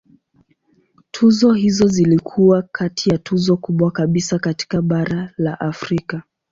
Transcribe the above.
Tuzo hizo zilikuwa kati ya tuzo kubwa kabisa katika bara la Afrika.